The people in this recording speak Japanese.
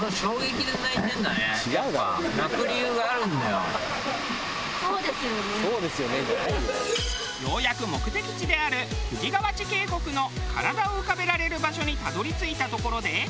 ようやく目的地である藤河内渓谷の体を浮かべられる場所にたどり着いたところで。